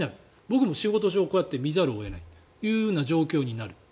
僕も仕事上、こうやって見ざるを得ないというような状況になる。